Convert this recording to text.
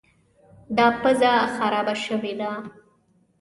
دا پزه خرابه شوې ده.